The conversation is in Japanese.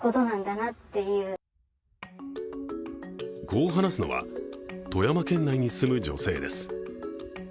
こう話すのは、富山県内に住む女性です。